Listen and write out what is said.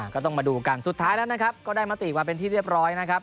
ก็ต้องมาดูกันสุดท้ายแล้วนะครับ